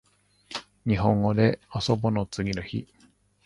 にほんごであそぼの次の日